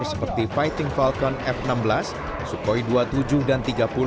seperti fighting falcon f enam belas sukhoi dua puluh tujuh dan tiga puluh